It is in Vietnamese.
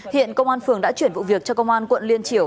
hiện công an phường đã chuyển vụ việc cho công an quận liên triều